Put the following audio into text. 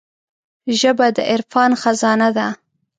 ژبه د عرفان خزانه ده